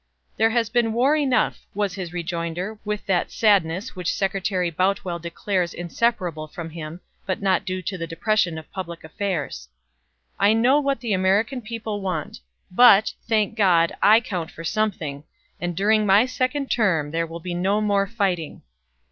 "There has been war enough," was his rejoinder, with that sadness which Secretary Boutwell declares inseparable from him, but not due to the depression of public affairs. "I know what the American people want; but, thank God! I count for something, and during my second term there will be no more fighting!"